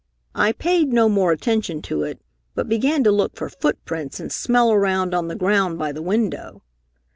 I paid no more attention to it, but began to look for footprints and smell around on the ground by the window.